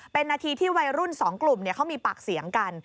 เป็นนาทีที่วัยรุ่น๒กลุ่มเขามีปากเสียงกัน